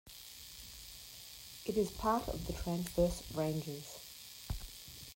It is part of the Transverse Ranges.